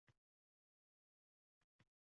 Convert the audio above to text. Achchiqni - achchiq kesadi.